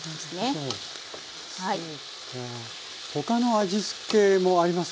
他の味付けもありますか？